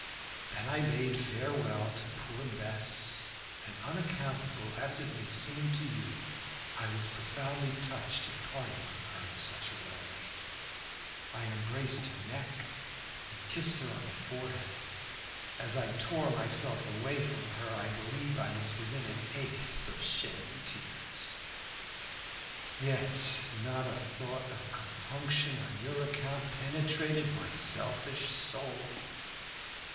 Then I bade farewell to poor Bess, and, unaccountable as it may seem to you, I was profoundly touched at parting from her in such a way. I embraced her neck and kissed her on the forehead. As I tore myself away from her I believe I was within an ace of shedding tears. Yet, not a thought of compunction on your account penetrated my selfish soul.